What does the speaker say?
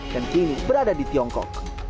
dan kini berada di tiongkok